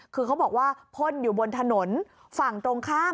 คือเขาบอกว่าพ่นอยู่บนถนนฝั่งตรงข้าม